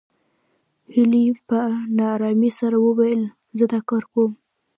هيلې په نا آرامۍ سره وويل زه دا کار کوم